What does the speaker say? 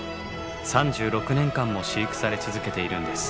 ３６年間も飼育され続けているんです。